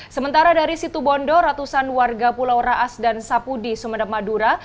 sementara dari situ bondo ratusan warga pulau raas dan sapudi sumedap madura